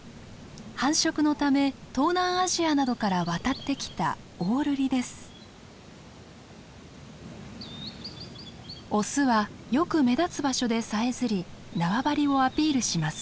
繁殖のため東南アジアなどから渡ってきたオスはよく目立つ場所でさえずり縄張りをアピールします。